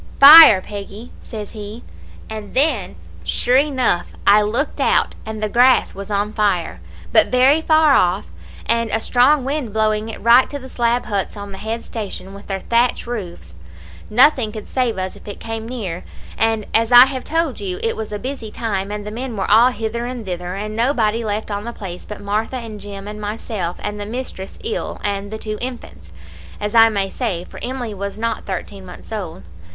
"'Fire! Peggy,' says he; and then, sure enough, I looked out, and the grass was on fire, but very far off, and a strong wind blowing it right to the slab huts on the head station with their thatch roofs. Nothing could save us if it came near, and as I have told you it was a busy time, and the men were all hither and thither, and nobody left on the place but Martha, and Jim, and myself, and the mistress ill, and two infants, as I may say, for Emily was not thirteen months old.